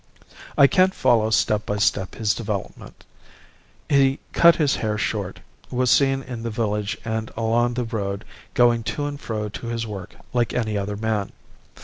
"I can't follow step by step his development. He cut his hair short, was seen in the village and along the road going to and fro to his work like any other man.